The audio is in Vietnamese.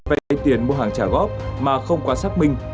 vay tiền mua hàng trả góp mà không quá xác minh